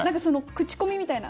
口コミみたいな。